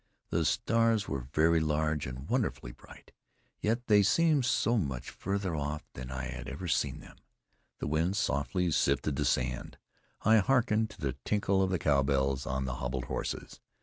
The stars were very large, and wonderfully bright, yet they seemed so much farther off than I had ever seen them. The wind softly sifted the sand. I hearkened to the tinkle of the cowbells on the hobbled horses.